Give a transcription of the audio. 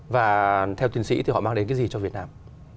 và theo tiến sĩ thì họ mang đến cái gì cho việt nam